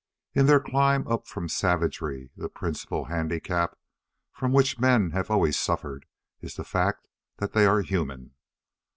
_ In their climb up from savagery, the principal handicap from which men have always suffered is the fact that they are human.